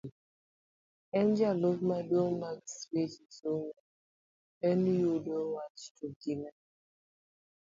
en jalup maduong' mag weche, somo en yudo wach to gi nam